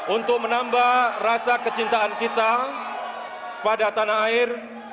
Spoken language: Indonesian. untuk menambah rasa kecintaan kita pada tanah air